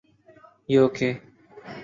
you کے